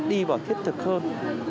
đi vào thiết thực hơn